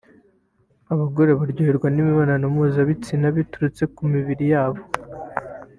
Abagore baryoherwa n’imibonano mpuzabitsina biturutse ku mibiri yabo